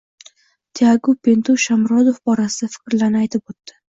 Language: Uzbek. Tiagu Pintu Shomurodov borasida fikrlarini aytib o‘tdi